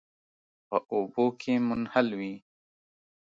په اوبو کې منحل وي.